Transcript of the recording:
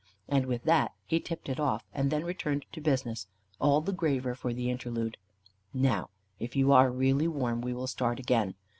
And with that he tipped it off, and then returned to business, all the graver for the interlude. "Now, if you are really warm, we will start again.